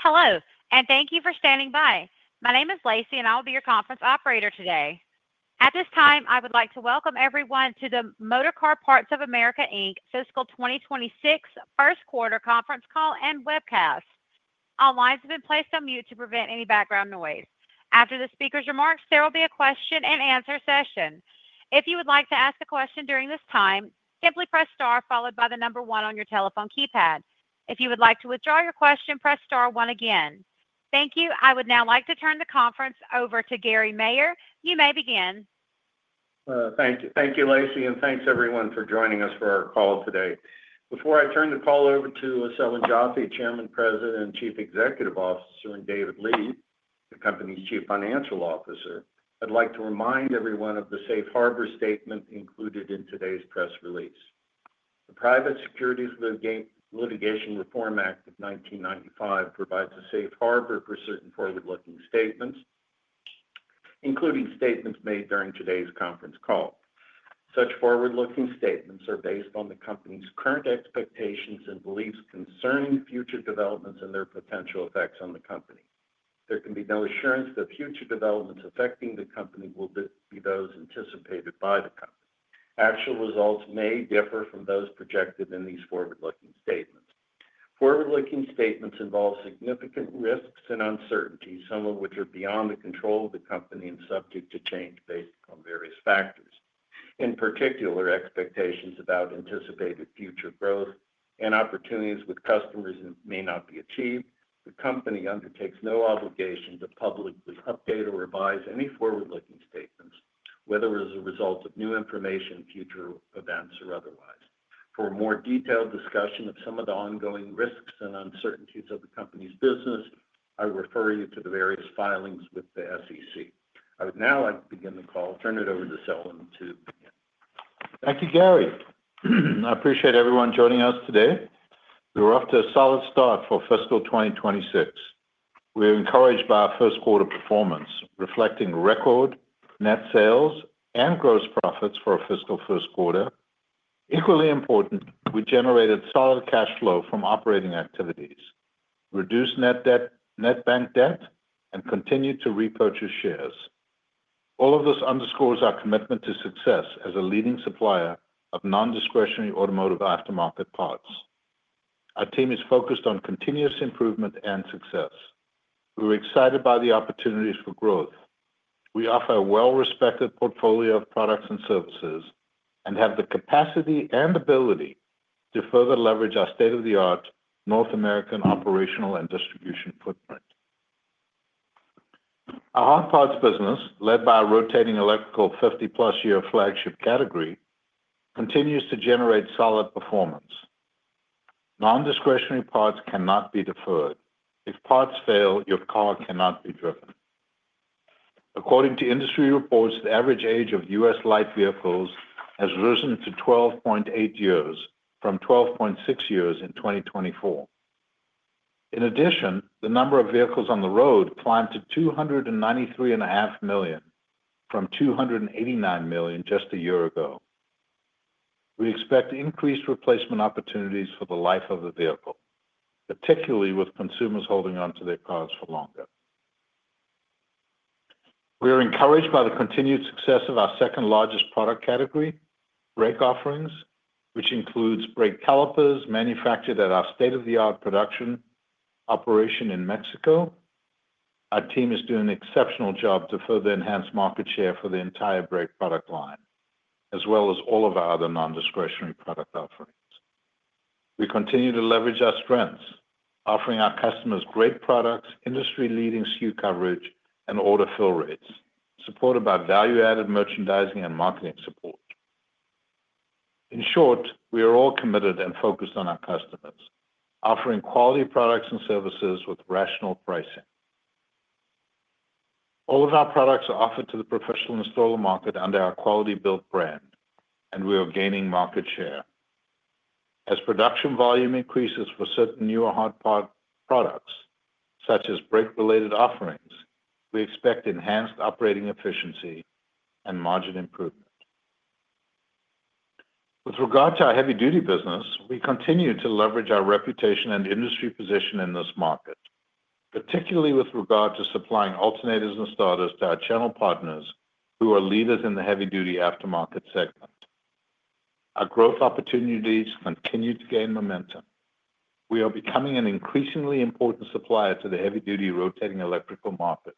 Hello, and thank you for standing by. My name is Lacey, and I'll be your conference operator today. At this time, I would like to welcome everyone to the Motorcar Parts of America, Inc. Fiscal 2026 First Quarter Conference Call and Webcast. All lines have been placed on mute to prevent any background noise. After the speaker's remarks, there will be a question and answer session. If you would like to ask a question during this time, simply press star followed by the number one on your telephone keypad. If you would like to withdraw your question, press star one again. Thank you. I would now like to turn the conference over to Gary Maier. You may begin. Thank you, Lacey, and thanks everyone for joining us for our call today. Before I turn the call over to Selwyn Joffe, Chairman, President, and Chief Executive Officer, and David Lee, the company's Chief Financial Officer, I'd like to remind everyone of the Safe Harbor statement included in today's press release. The Private Securities Litigation Reform Act of 1995 provides a safe harbor for certain forward-looking statements, including statements made during today's conference call. Such forward-looking statements are based on the company's current expectations and beliefs concerning future developments and their potential effects on the company. There can be no assurance that future developments affecting the company will be those anticipated by the company. Actual results may differ from those projected in these forward-looking statements. Forward-looking statements involve significant risks and uncertainty, some of which are beyond the control of the company and subject to change based upon various factors. In particular, expectations about anticipated future growth and opportunities with customers may not be achieved. The company undertakes no obligation to publicly update or revise any forward-looking statements, whether as a result of new information, future events, or otherwise. For a more detailed discussion of some of the ongoing risks and uncertainties of the company's business, I refer you to the various filings with the SEC. I would now like to begin the call, turn it over to Selwyn to begin. Thank you, Gary. I appreciate everyone joining us today. We're off to a solid start for fiscal 2026. We're encouraged by our First Quarter performance, reflecting record net sales and gross profit for our fiscal First Quarter. Equally important, we generated solid cash flow from operating activities, reduced net debt, net bank debt, and continued to repurchase shares. All of this underscores our commitment to success as a leading supplier of non-discretionary automotive aftermarket parts. Our team is focused on continuous improvement and success. We're excited by the opportunities for growth. We offer a well-respected portfolio of products and services and have the capacity and ability to further leverage our state-of-the-art North American operational and distribution footprint. Our hard parts business, led by a rotating electrical 50-plus-year flagship category, continues to generate solid performance. Non-discretionary parts cannot be deferred. If parts fail, your car cannot be driven. According to industry reports, the average age of US light vehicles has risen to 12.8 years from 12.6 years in 2024. In addition, the number of vehicles on the road climbed to 293.5 million from 289 million just a year ago. We expect increased replacement opportunities for the life of the vehicle, particularly with consumers holding on to their cars for longer. We're encouraged by the continued success of our second largest product category, brake offerings, which includes brake calipers manufactured at our state-of-the-art production operation in Mexico. Our team is doing an exceptional job to further enhance market share for the entire brake product line, as well as all of our other non-discretionary product offerings. We continue to leverage our strengths, offering our customers great products, industry-leading SKU coverage, and order fill rates, supported by value-added merchandising and marketing support. In short, we are all committed and focused on our customers, offering quality products and services with rational pricing. All of our products are offered to the professional installer market under our Quality-Built brand, and we are gaining market share. As production volume increases for certain newer hard part products, such as brake-related offerings, we expect enhanced operating efficiency and margin improvement. With regard to our heavy-duty business, we continue to leverage our reputation and industry position in this market, particularly with regard to supplying alternators and starters to our channel partners who are leaders in the heavy-duty aftermarket segment. Our growth opportunities continue to gain momentum. We are becoming an increasingly important supplier to the heavy-duty rotating electrical market,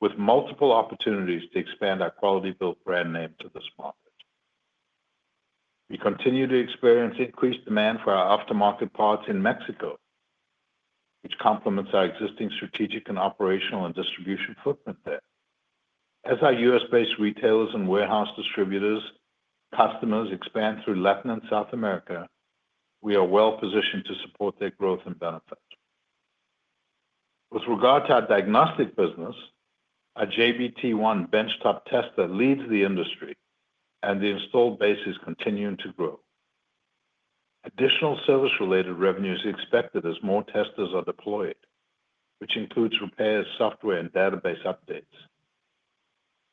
with multiple opportunities to expand our Quality-Built brand name to this market. We continue to experience increased demand for our aftermarket parts in Mexico, which complements our existing strategic and operational and distribution footprint there. As our US-based retailers and warehouse distributors, customers expand through Latin and South America, we are well positioned to support their growth and benefit. With regard to our diagnostic business, our JBT-1 Benchtop Tester leads the industry, and the installed base is continuing to grow. Additional service-related revenue is expected as more testers are deployed, which includes repairs, software, and database updates.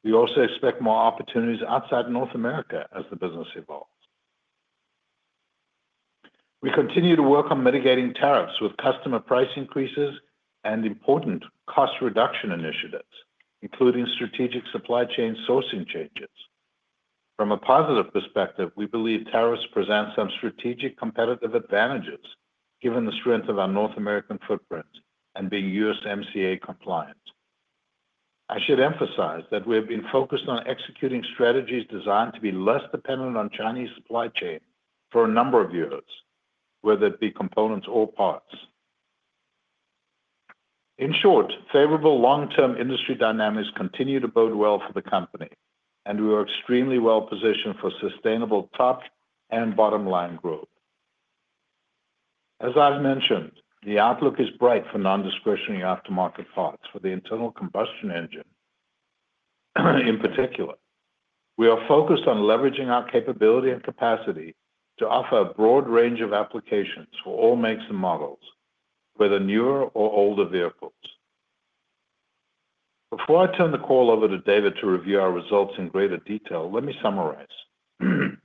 We also expect more opportunities outside North America as the business evolves. We continue to work on mitigating tariffs with customer price increases and important cost reduction initiatives, including strategic supply chain sourcing changes. From a positive perspective, we believe tariffs present some strategic competitive advantages given the strength of our North American footprint and being USMCA compliant. I should emphasize that we have been focused on executing strategies designed to be less dependent on Chinese supply chain for a number of years, whether it be components or parts. In short, favorable long-term industry dynamics continue to bode well for the company, and we are extremely well positioned for sustainable top and bottom line growth. As I've mentioned, the outlook is bright for non-discretionary aftermarket parts for the internal combustion engine. In particular, we are focused on leveraging our capability and capacity to offer a broad range of applications for all makes and models, whether newer or older vehicles. Before I turn the call over to David to review our results in greater detail, let me summarize. From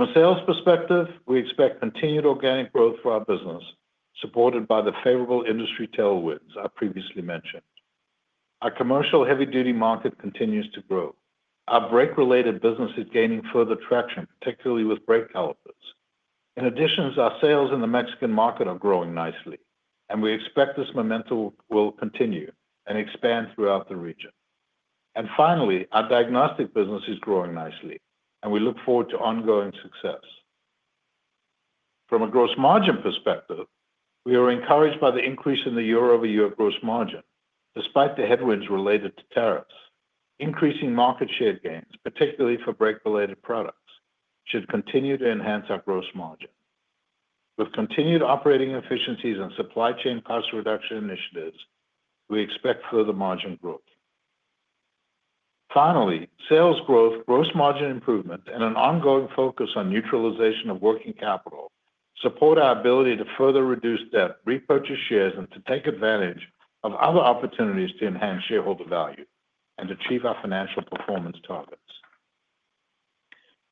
a sales perspective, we expect continued organic growth for our business, supported by the favorable industry tailwinds I previously mentioned. Our commercial heavy-duty market continues to grow. Our brake-related business is gaining further traction, particularly with brake calipers. In addition, our sales in the Mexican market are growing nicely, and we expect this momentum will continue and expand throughout the region. Finally, our diagnostic business is growing nicely, and we look forward to ongoing success. From a gross margin perspective, we are encouraged by the increase in the year-over-year gross margin, despite the headwinds related to tariffs. Increasing market share gains, particularly for brake-related products, should continue to enhance our gross margin. With continued operating efficiencies and supply chain cost reduction initiatives, we expect further margin growth. Finally, sales growth, gross margin improvement, and an ongoing focus on neutralization of working capital support our ability to further reduce debt, repurchase shares, and to take advantage of other opportunities to enhance shareholder value and achieve our financial performance targets.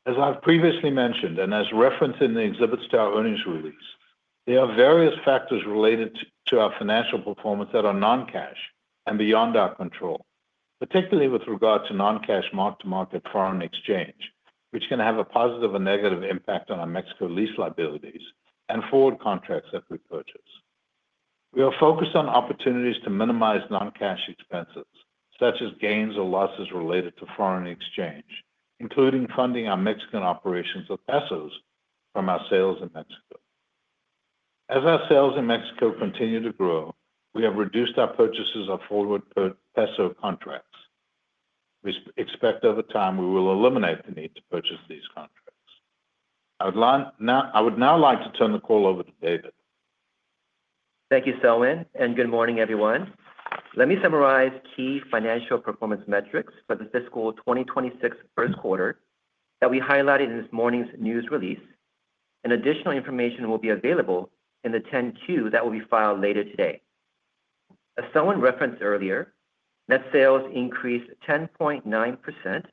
As I've previously mentioned, and as referenced in the exhibit-style earnings release, there are various factors related to our financial performance that are non-cash and beyond our control, particularly with regard to non-cash mark-to-market foreign exchange, which can have a positive or negative impact on our Mexico lease liabilities and forward contracts that we purchase. We are focused on opportunities to minimize non-cash expenses, such as gains or losses related to foreign exchange, including funding our Mexican operations with pesos from our sales in Mexico. As our sales in Mexico continue to grow, we have reduced our purchases of forward peso contracts. We expect over time we will eliminate the need to purchase these contracts. I would now like to turn the call over to David. Thank you, Selwyn, and good morning, everyone. Let me summarize key financial performance metrics for the fiscal 2026 First Quarter that we highlighted in this morning's news release, and additional information will be available in the 10-Q that will be filed later today. As Selwyn referenced earlier, net sales increased 10.9%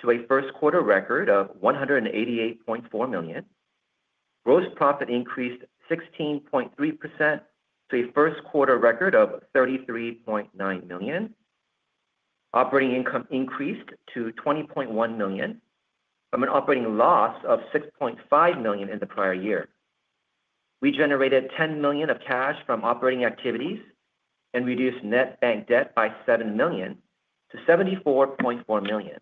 to a first-quarter record of $188.4 million. Gross profit increased 16.3% to a first-quarter record of $33.9 million. Operating income increased to $20.1 million from an operating loss of $6.5 million in the prior year. We generated $10 million of cash from operating activities and reduced net bank debt by $7 million-$74.4 million.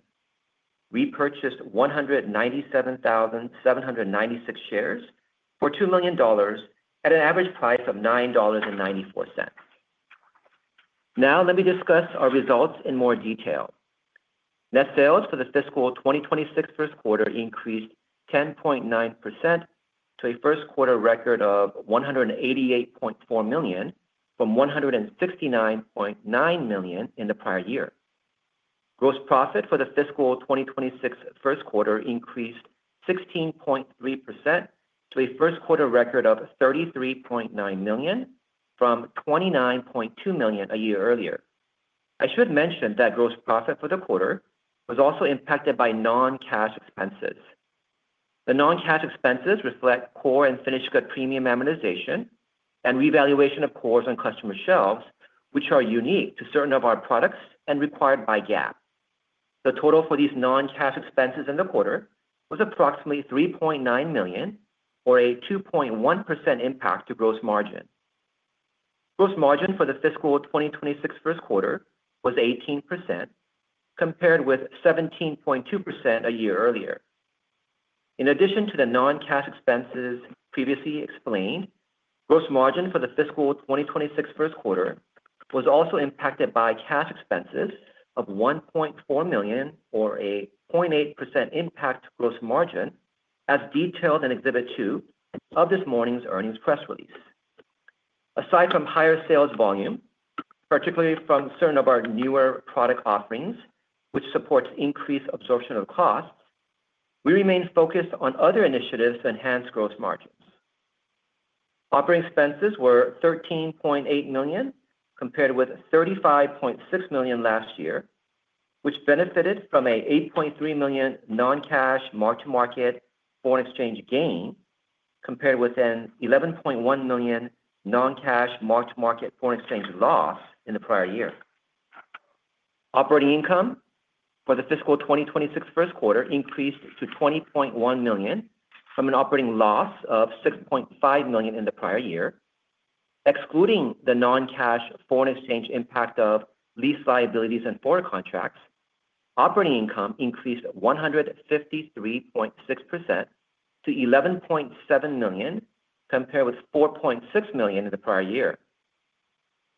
We purchased 197,796 shares for $2 million at an average price of $9.94. Now, let me discuss our results in more detail. Net sales for the fiscal 2026 First Quarter increased 10.9% to a first-quarter record of $188.4 million from $169.9 million in the prior year. Gross profit for the fiscal 2026 First Quarter increased 16.3% to a first-quarter record of $33.9 million from $29.2 million a year earlier. I should mention that gross profit for the quarter was also impacted by non-cash expenses. The non-cash expenses reflect core and finished good premium amortization and revaluation of cores on customer shelves, which are unique to certain of our products and required by GAAP. The total for these non-cash expenses in the quarter was approximately $3.9 million, or a 2.1% impact to gross margin. Gross margin for the fiscal 2026 First Quarter was 18%, compared with 17.2% a year earlier. In addition to the non-cash expenses previously explained, gross margin for the fiscal 2026 First Quarter was also impacted by cash expenses of $1.4 million, or a 0.8% impact to gross margin, as detailed in Exhibit 2 of this morning's earnings press release. Aside from higher sales volume, particularly from certain of our newer product offerings, which supports increased absorption of costs, we remain focused on other initiatives to enhance gross margins. Operating expenses were $13.8 million, compared with $35.6 million last year, which benefited from an $8.3 million non-cash mark-to-market foreign exchange gain, compared with an $11.1 million non-cash mark-to-market foreign exchange loss in the prior year. Operating income for the fiscal 2026 First Quarter increased to $20.1 million from an operating loss of $6.5 million in the prior year. Excluding the non-cash foreign exchange impact of lease liabilities and foreign contracts, operating income increased 153.6% to $11.7 million, compared with $4.6 million in the prior year.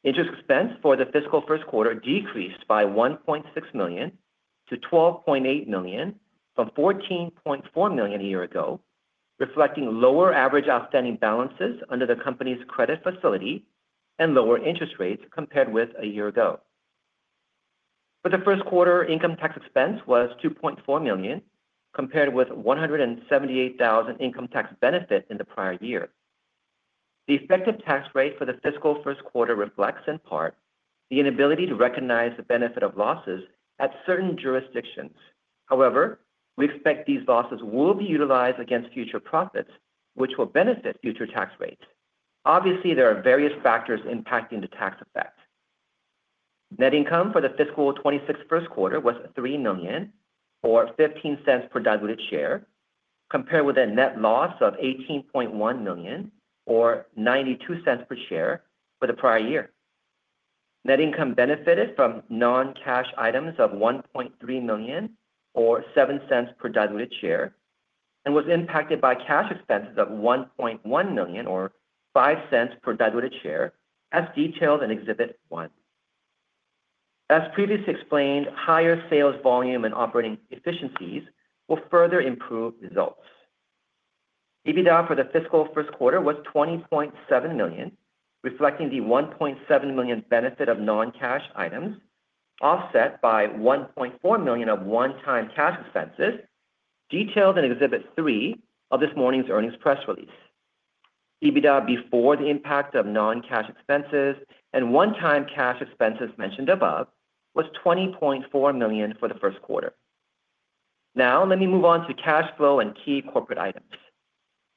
Interest expense for the fiscal First Q uarter decreased by $1.6 million-$12.8 million from $14.4 million a year ago, reflecting lower average outstanding balances under the company's credit facility and lower interest rates compared with a year ago. For the First Quarter, income tax expense was $2.4 million, compared with a $178,000 income tax benefit in the prior year. The effective tax rate for the fiscal First Quarter reflects, in part, the inability to recognize the benefit of losses at certain jurisdictions. However, we expect these losses will be utilized against future profits, which will benefit future tax rates. Obviously, there are various factors impacting the tax effect. Net income for the fiscal 2026 First Quarter was $3 million or $0.15 per diluted share, compared with a net loss of $18.1 million or $0.92 per share for the prior year. Net income benefited from non-cash items of $1.3 million or $0.07 per diluted share and was impacted by cash expenses of $1.1 million or $0.05 per diluted share, as detailed in Exhibit 1. As previously explained, higher sales volume and operating efficiencies will further improve results. EBITDA for the fiscal First Quarter was $20.7 million, reflecting the $1.7 million benefit of non-cash items, offset by $1.4 million of one-time cash expenses, detailed in Exhibit 3 of this morning's earnings press release. EBITDA before the impact of non-cash expenses and one-time cash expenses mentioned above was $20.4 million for the First Quarter. Now, let me move on to cash flow and key corporate items.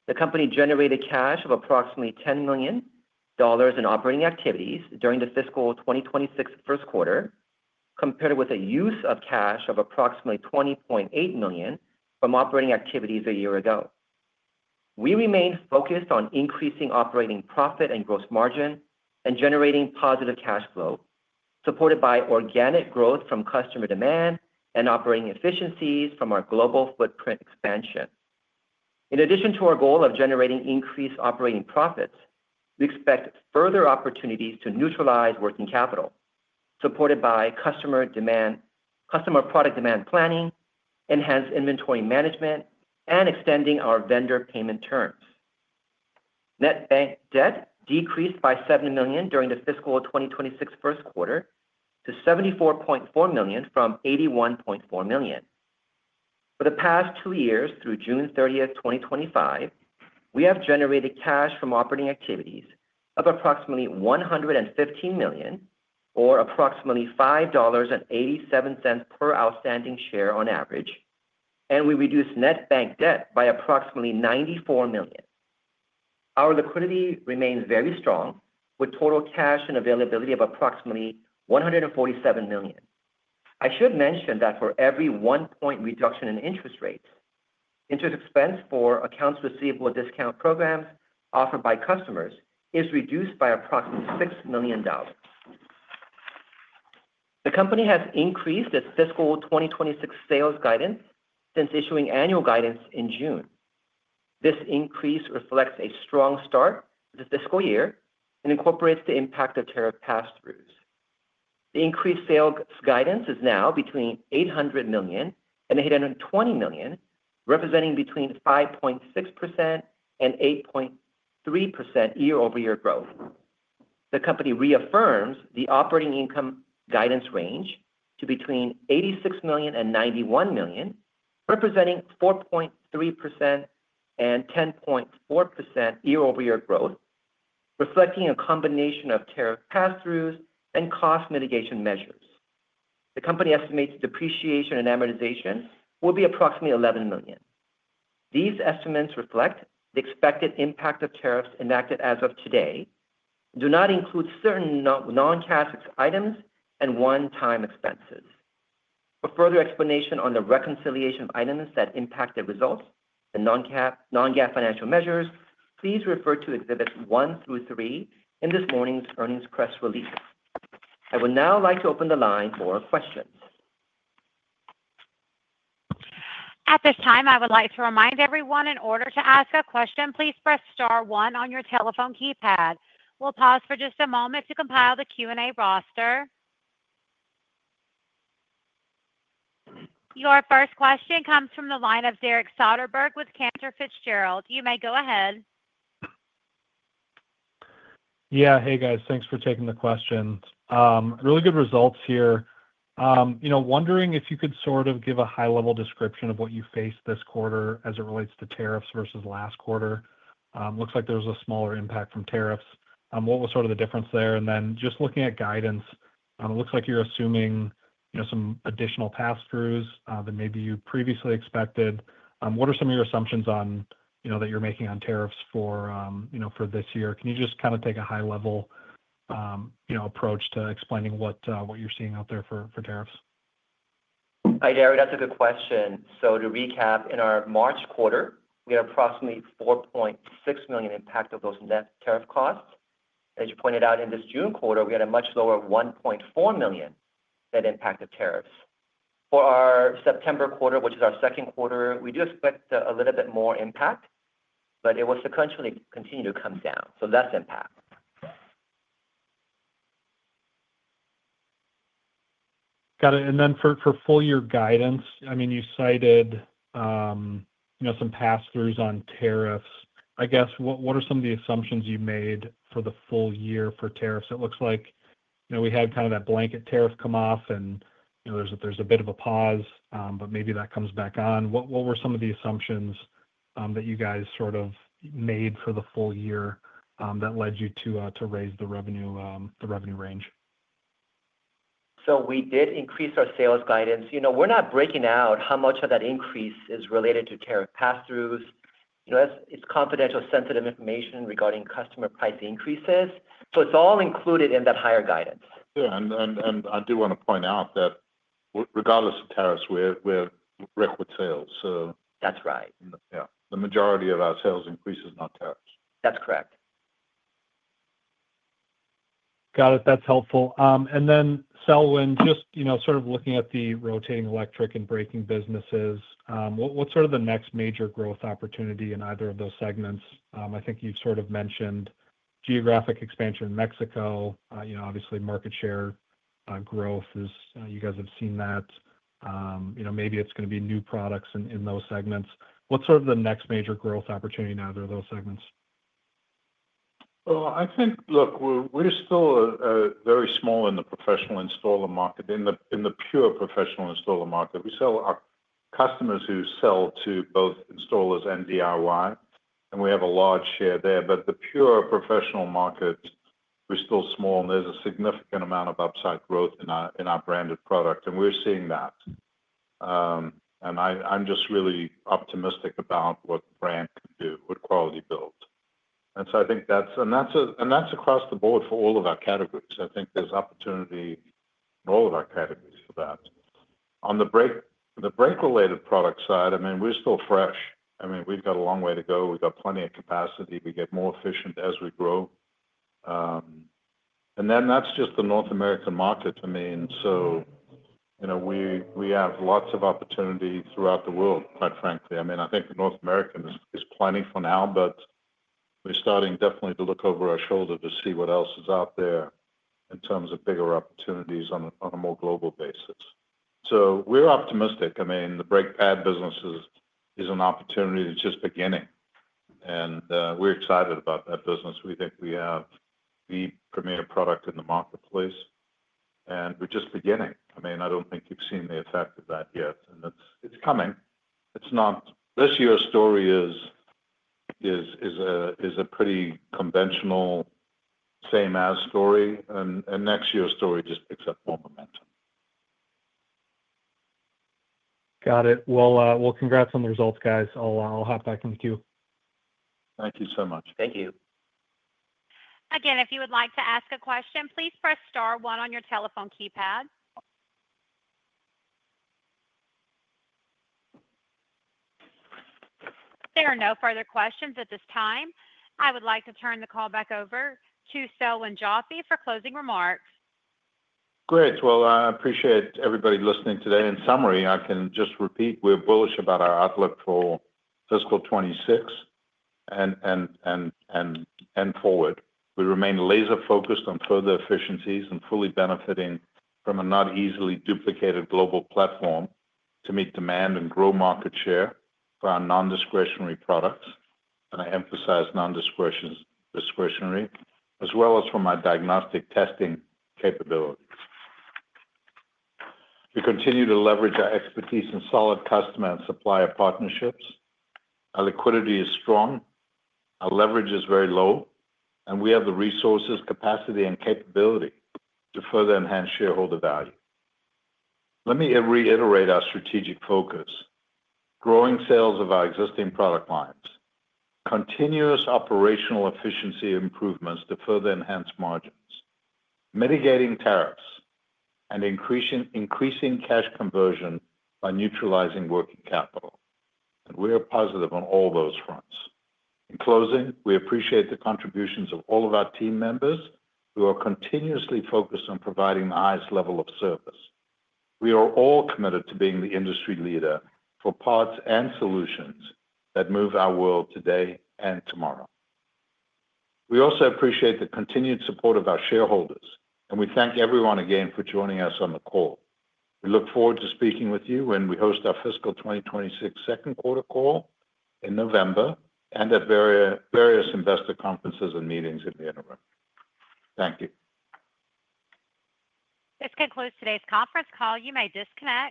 The company generated cash of approximately $10 million in operating activities during the fiscal 2026 First Quarter, compared with a use of cash of approximately $20.8 million from operating activities a year ago. We remain focused on increasing operating profit and gross margin and generating positive cash flow, supported by organic growth from customer demand and operating efficiencies from our global footprint expansion. In addition to our goal of generating increased operating profits, we expect further opportunities to neutralize working capital, supported by customer demand, customer product demand planning, enhanced inventory management, and extending our vendor payment terms. Net bank debt decreased by $7 million during the fiscal 2026 First Quarter to $74.4 million from $81.4 million. For the past two years, through June 30, 2025, we have generated cash from operating activities of approximately $115 million, or approximately $5.87 per outstanding share on average, and we reduced net bank debt by approximately $94 million. Our liquidity remains very strong, with total cash and availability of approximately $147 million. I should mention that for every one point reduction in interest rates, interest expense for accounts receivable discount programs offered by customers is reduced by approximately $6 million. The company has increased its fiscal 2026 sales guidance since issuing annual guidance in June. This increase reflects a strong start to the fiscal year and incorporates the impact of tariff pass-throughs. The increased sales guidance is now between $800 million and $820 million, representing between 5.6% and 8.3% year-over-year growth. The company reaffirms the operating income guidance range to between $86 million and $91 million, representing 4.3% and 10.4% year-over-year growth, reflecting a combination of tariff pass-throughs and cost mitigation measures. The company estimates depreciation and amortization will be approximately $11 million. These estimates reflect the expected impact of tariffs enacted as of today, do not include certain non-cash items and one-time expenses. For further explanation on the reconciliation of items that impact the results and non-GAAP financial measures, please refer to Exhibits 1 through 3 in this morning's earnings press release. I would now like to open the line for questions. At this time, I would like to remind everyone, in order to ask a question, please press star one on your telephone keypad. We'll pause for just a moment to compile the Q&A roster. Your first question comes from the line of Derek Soderberg with Cantor Fitzgerald. You may go ahead. Yeah, hey guys, thanks for taking the question. Really good results here. Wondering if you could sort of give a high-level description of what you faced this quarter as it relates to tariffs versus last quarter. Looks like there was a smaller impact from tariffs. What was the difference there? Just looking at guidance, it looks like you're assuming some additional pass-throughs than maybe you previously expected. What are some of your assumptions that you're making on tariffs for this year? Can you just kind of take a high-level approach to explaining what you're seeing out there for tariffs? Hi Gary, that's a good question. To recap, in our March quarter, we had approximately $4.6 million impact of those net tariff costs. As you pointed out, in this June quarter, we had a much lower $1.4 million net impact of tariffs. For our September quarter, which is our second quarter, we do expect a little bit more impact, but it will sequentially continue to come down, so less impact. Got it. For full-year guidance, you cited some pass-throughs on tariffs. What are some of the assumptions you made for the full year for tariffs? It looks like we had kind of that blanket tariff come off, and there's a bit of a pause, but maybe that comes back on. What were some of the assumptions that you guys made for the full year that led you to raise the revenue range? We did increase our sales guidance. We're not breaking out how much of that increase is related to tariff pass-throughs. It's confidential, sensitive information regarding customer price increases. It's all included in that higher guidance. Yeah, I do want to point out that regardless of tariffs, we're record sales. That's right. Yeah, the majority of our sales increases are not tariffs. That's correct. Got it. That's helpful. Selwyn, just looking at the rotating electric and braking businesses, what's the next major growth opportunity in either of those segments? I think you've mentioned geographic expansion in Mexico. Obviously, market share growth is, you guys have seen that. Maybe it's going to be new products in those segments. What's the next major growth opportunity in either of those segments? I think, look, we're still very small in the professional installer market. In the pure professional installer market, we sell our customers who sell to both installers and DIY, and we have a large share there. The pure professional market, we're still small, and there's a significant amount of upside growth in our branded product, and we're seeing that. I'm just really optimistic about what brand can do, what Quality-Built. I think that's across the board for all of our categories. I think there's opportunity in all of our categories for that. On the brake-related product side, we're still fresh. We've got a long way to go. We've got plenty of capacity. We get more efficient as we grow. That's just the North American market. We have lots of opportunity throughout the world, quite frankly. I think the North American is plenty for now, but we're starting definitely to look over our shoulder to see what else is out there in terms of bigger opportunities on a more global basis. We're optimistic. The brake pad business is an opportunity that's just beginning, and we're excited about that business. We think we have the premier product in the marketplace, and we're just beginning. I don't think you've seen the effect of that yet, and it's coming. This year's story is a pretty conventional same-as story, and next year's story just picks up more momentum. Got it. Congrats on the results, guys. I'll hop back in the queue. Thank you so much. Thank you. Again, if you would like to ask a question, please press star one on your telephone keypad. There are no further questions at this time. I would like to turn the call back over to Selwyn Joffe for closing remarks. Great. I appreciate everybody listening today. In summary, I can just repeat we're bullish about our outlook for fiscal 2026 and forward. We remain laser-focused on further efficiencies and fully benefiting from a not easily duplicated global platform to meet demand and grow market share for our non-discretionary products. I emphasize non-discretionary, as well as for my diagnostic testing capabilities. We continue to leverage our expertise in solid customer and supplier partnerships. Our liquidity is strong. Our leverage is very low, and we have the resources, capacity, and capability to further enhance shareholder value. Let me reiterate our strategic focus: growing sales of our existing product lines, continuous operational efficiency improvements to further enhance margins, mitigating tariffs, and increasing cash conversion by neutralizing working capital. We are positive on all those fronts. In closing, we appreciate the contributions of all of our team members who are continuously focused on providing the highest level of service. We are all committed to being the industry leader for parts and solutions that move our world today and tomorrow. We also appreciate the continued support of our shareholders, and we thank everyone again for joining us on the call. We look forward to speaking with you when we host our fiscal 2026 second quarter call in November and at various investor conferences and meetings in the interim. Thank you. This concludes today's conference call. You may disconnect.